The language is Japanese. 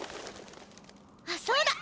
あっそうだ。